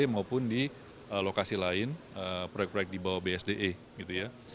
maupun di lokasi lain proyek proyek di bawah bsde gitu ya